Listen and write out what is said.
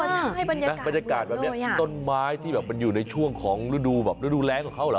อ๋อใช่บรรยากาศแบบนี้ต้นไม้ที่อยู่ในช่วงของฤดูแรงของเขาเหรอ